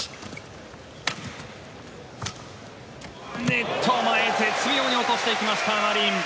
ネット前、絶妙に落としていきました、マリン。